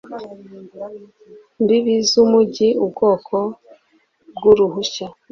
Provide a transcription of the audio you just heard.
mbibi z umujyi ubwoko bw uruhushya